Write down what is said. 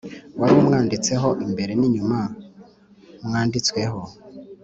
wari wanditsweho imbere n,inyuma mwanditsweho